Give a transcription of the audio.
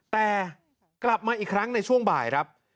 แต่กลับมาอีกครั้งในช่วงบ่ายครับ